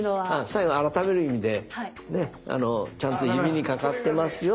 最後改める意味でねちゃんと指にかかってますよっていう。